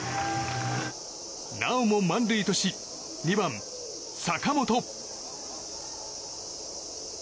なおも満塁とし２番、坂本。